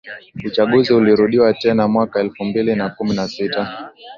Uchaguzi ulirudiwa tena mwaka elfu mbili na kumi na sita